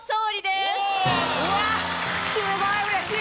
すごいうれしいわ。